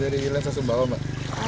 dari lensa sumbawa mbak